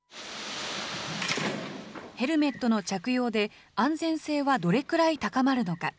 ヘルメットの着用で、安全性はどれくらい高まるのか。